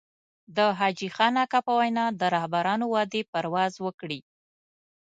د حاجي خان اکا په وينا د رهبرانو وعدې پرواز وکړي.